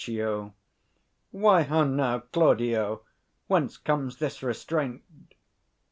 _ Lucio. Why, how now, Claudio! whence comes this restraint?